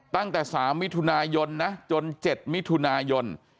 ตั้งแต่๓มิถุนายนนะจน๗มิถุนายน